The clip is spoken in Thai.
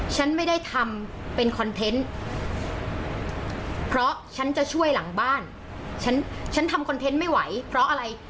ฉันไม่ได้ทำเป็นคอนเทนต์เพราะฉันจะช่วยหลังบ้านฉันฉันทำคอนเทนต์ไม่ไหวเพราะอะไร